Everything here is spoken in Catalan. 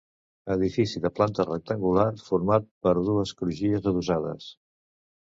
Edifici de planta rectangular format per dues crugies adossades.